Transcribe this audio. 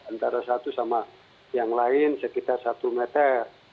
antara satu sama yang lain sekitar satu meter